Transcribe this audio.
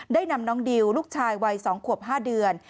ได้นำน้องดิวลูกชายวัย๒ขวบ๕เดือน